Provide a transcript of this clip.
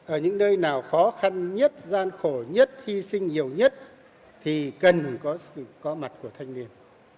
ở những nơi nào khó khăn nhất gian khổ nhất hy sinh nhiều nhất thì cần có sự có mặt của thanh niên